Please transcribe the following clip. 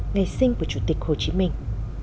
ngày sinh của chủ tịch hồ chí minh